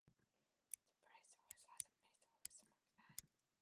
The village also has a myth of 'Smoks Hanne'.